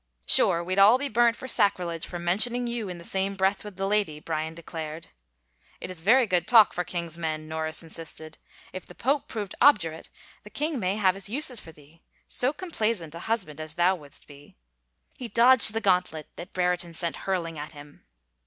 " Sure we'd all be burnt for sacrilege for mention ing you in the same breath with the lady," Bryan de clared. " It is very good talk for king's men," Norris insisted. " If the pope prove obdurate the king may have his uses for thee ... so complaisant a husband as thou wouldst be —" He dodged the gauntlet that Brereton sent hurl ing at him.